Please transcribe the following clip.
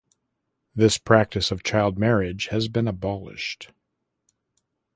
This practice of child marriage has been abolished.